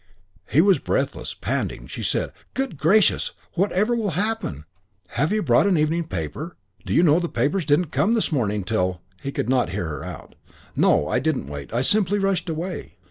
He was breathless, panting. She said, "Good gracious! Whatever will happen? Have you brought an evening paper? Do you know the papers didn't come this morning till " He could not hear her out. "No, I didn't wait. I simply rushed away."